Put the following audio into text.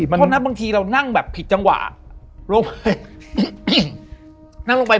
มันโหดร้ายครับ